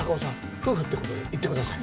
夫婦っていうことで行ってください。